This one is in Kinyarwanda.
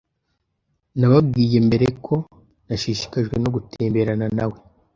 Nababwiye mbere ko ntashishikajwe no gutemberana nawe.